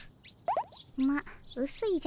まっうすいじゃからの。